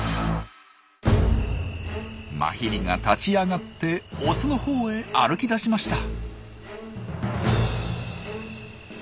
マヒリが立ち上がってオスのほうへ歩き出しました。